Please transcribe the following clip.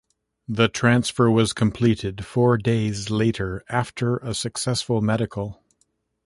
The transfer was completed four days later after a successful medical.